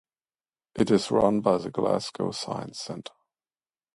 It is run by the Glasgow Science Centre.